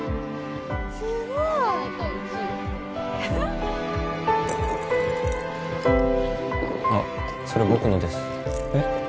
すごいあっそれ僕のですえっ？